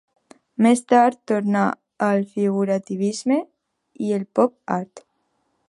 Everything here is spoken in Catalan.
Més tard tornà al figurativisme i el pop-art.